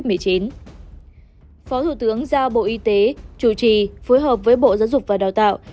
phó thủ tướng giao bộ y tế chủ trì phối hợp với bộ giáo dục và đào tạo